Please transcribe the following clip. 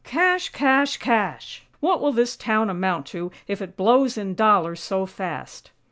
CASH! CASH! CASH!! What will this town amount to if it blows in dollars so fast?"